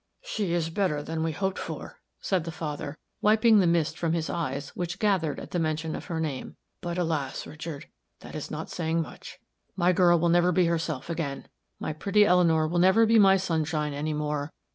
"She is better than we hoped for," said the father, wiping the mist from his eyes which gathered at the mention of her name, "but, alas, Richard, that is not saying much. My girl never will be herself again. My pretty Eleanor will never be my sunshine anymore.